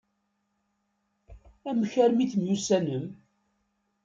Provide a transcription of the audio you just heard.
Amek armi temyussanem?